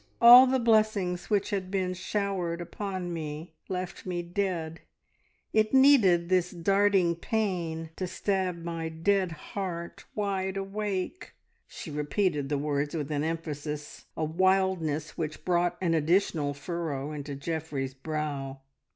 All the blessings which had been showered upon me left me dead; it needed this `darting pain' to `_stab my dead heart wide awake_!'" She repeated the words with an emphasis, a wildness which brought an additional furrow into Geoffrey's brow.